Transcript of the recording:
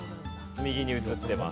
右に映ってます。